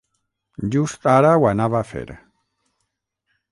Just ara ho anava a fer!